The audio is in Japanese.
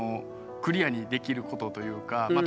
クリアにできることというかまあ